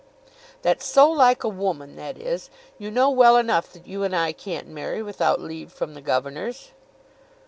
"That's so like a woman; that is. You know well enough that you and I can't marry without leave from the governors."